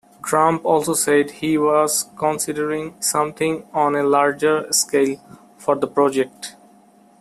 Trump also said he was considering "something on a larger scale" for the project.